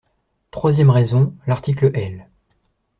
Troisième raison : l’article L.